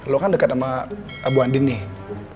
lo kan deket sama bu andin nih